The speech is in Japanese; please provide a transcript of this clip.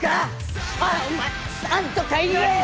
おいお前何とか言えよ！